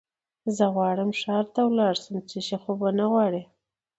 زه غواړم چې ښار ته ولاړ شم، څه شی خو به غواړې نه؟